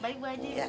baik bu haji